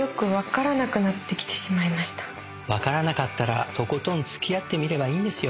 わからなかったらとことん付き合ってみればいいんですよ。